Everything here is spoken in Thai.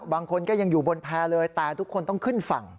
บางคนก็ยังอยู่บนแพร่เลยแต่ทุกคนต้องขึ้นฝั่ง